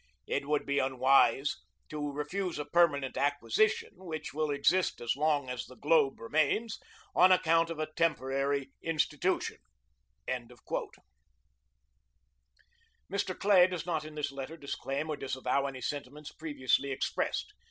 It would be unwise to refuse a permanent acquisition, which will exist as long as the globe remains, on account of a temporary institution." Mr. Clay does not in this letter disclaim or disavow any sentiments previously expressed.